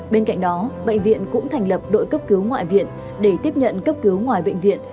bên cạnh đó bệnh viện cũng thành lập đội cấp cứu ngoại viện để tiếp nhận cấp cứu ngoài bệnh viện